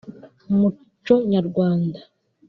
umuco nyarwanda